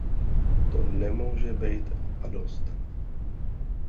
To nemože bejt a dost.